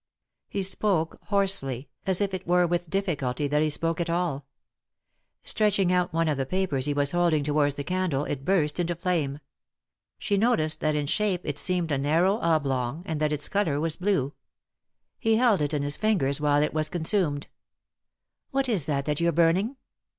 He spoke hoarsely, as if it were with difficulty that be spoke at all. Stretching out one of the papers he was holding towards the candle it burst into flame. She noticed that in shape it seemed a narrow oblong, and 7 3i 9 iii^d by Google THE INTERRUPTED KISS that its colour was blue. He held it in his fingers while it was consumed. " What is that you're burning